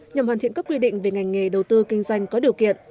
nhằm hoàn thiện các quy định về ngành nghề đầu tư kinh doanh có điều kiện